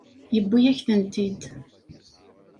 Yewwi-yak-tent-id.